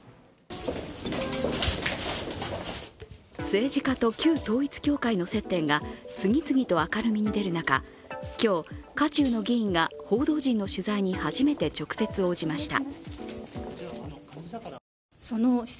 政治家と、旧統一教会の接点が次々と明るみに出る中、今日、渦中の議員が報道陣の取材に初めて直接応じました。